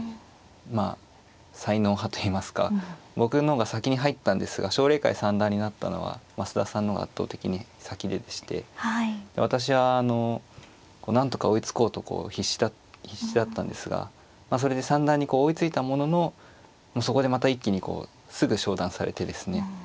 まあ才能派といいますか僕の方が先に入ったんですが奨励会三段になったのは増田さんの方が圧倒的に先でして私はなんとか追いつこうと必死だったんですがそれで三段に追いついたもののそこでまた一気にこうすぐ昇段されてですね